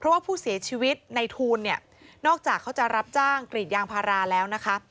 ว่าผู้เสียชีวิตยางพาราแล้วนะคะ